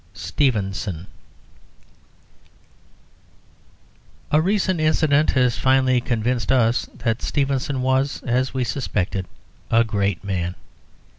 STEVENSON A recent incident has finally convinced us that Stevenson was, as we suspected, a great man.